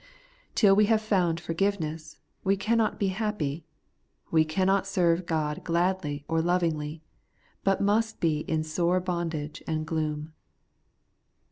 Till we have found forgiveness, we cannot be happy ; we cannot serve God gladly or lovingly ; but must be in sore bondage and gloom.